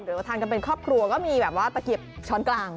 ทานกันเป็นครอบครัวก็มีแบบว่าตะเกียบช้อนกลาง